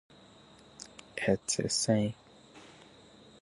The civil war ended with Uthman firmly ensconced in his previous position.